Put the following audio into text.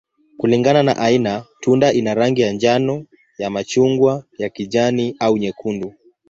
Kulingana na aina, tunda ina rangi ya njano, ya machungwa, ya kijani, au nyekundu.